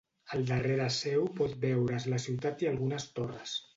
Al darrere seu pot veure's la ciutat i algunes torres.